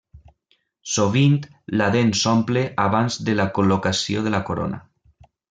Sovint la dent s'omple abans de la col·locació de la corona.